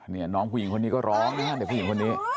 เนี่ยน้องผู้หญิงคนนี้ก็ร้องแล้วแบบผู้หญิงคนนี้